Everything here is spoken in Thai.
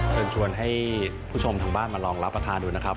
เชิญชวนให้ผู้ชมทางบ้านมาลองรับประทานดูนะครับ